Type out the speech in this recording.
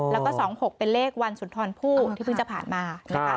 แล้วก็๒๖เป็นเลขวันสุนทรผู้ที่เพิ่งจะผ่านมานะคะ